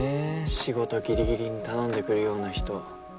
仕事ギリギリに頼んでくるような人。